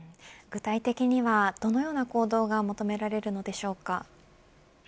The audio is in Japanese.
具体的にはどのような行動が求められるのでしょうか。